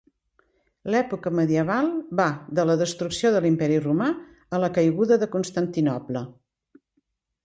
L'època medieval va de la destrucció de l'imperi Romà a la caiguda de Constantinoble.